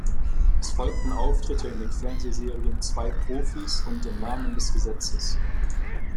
Es folgten Auftritte in den Fernsehserien "Zwei Profis" und "Im Namen des Gesetzes".